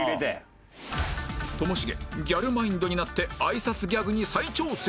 ともしげギャルマインドになって挨拶ギャグに再挑戦